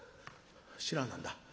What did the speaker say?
「知らなんだ。